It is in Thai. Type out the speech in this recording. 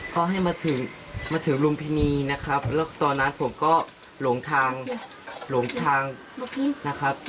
ก็ให้มาถึงมาถึงลุมพินีนะครับแล้วตอนนั้นผมก็หลงทางหลงทางนะครับ